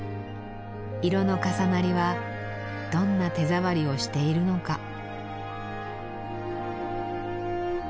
色の重なりはどんな手触りをしているのか。